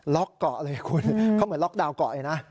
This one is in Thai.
เกาะเลยคุณเขาเหมือนล็อกดาวนเกาะเลยนะ